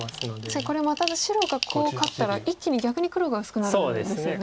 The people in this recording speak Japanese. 確かにこれまた白がコウを勝ったら一気に逆に黒が薄くなるんですよね。